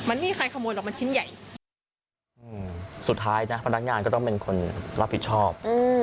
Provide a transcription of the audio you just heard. มันไม่มีใครขโมยหรอกมันชิ้นใหญ่สุดท้ายนะพนักงานก็ต้องเป็นคนรับผิดชอบ